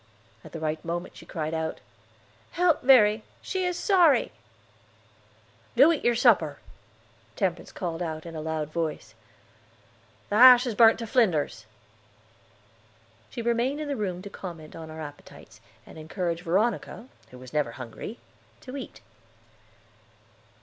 At the right moment she cried out: "Help Verry, she is sorry." "Do eat your supper," Temperance called out in a loud voice. "The hash is burnt to flinders." She remained in the room to comment on our appetites, and encourage Veronica, who was never hungry, to eat.